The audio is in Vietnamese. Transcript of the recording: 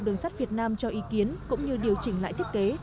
đường sắt việt nam cho ý kiến cũng như điều chỉnh lại thiết kế